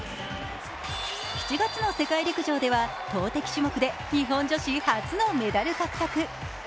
７月の世界陸上では投てき種目で日本女子初のメダル獲得。